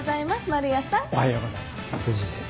おはようございます丸屋さん。